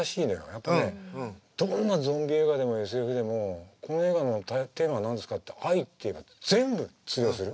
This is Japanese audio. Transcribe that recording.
やっぱねどんなゾンビ映画でもＳＦでもこの映画のテーマは何ですかって愛って言えば全部通用する。